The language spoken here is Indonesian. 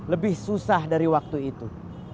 lebih susah dari waktu itu